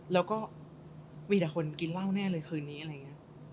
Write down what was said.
แล้วก็มีแต่คนกินเหล้าแน่เลยคืนนี้อะไรอย่างนี้